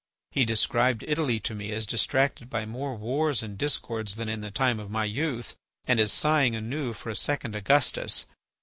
He described Italy to me as distracted by more wars and discords than in the time of my youth, and as sighing anew for a second Augustus.